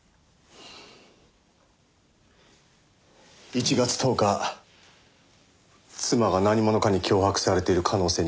１月１０日妻が何者かに脅迫されている可能性に気づきました。